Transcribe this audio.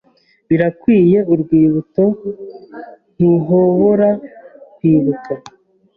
Birakwiye Urwibuto ntuhobora kwibuka